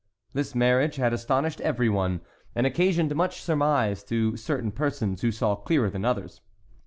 This marriage had astonished every one, and occasioned much surmise to certain persons who saw clearer than others.